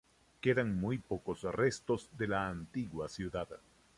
Quedan muy pocos restos de la antigua ciudad.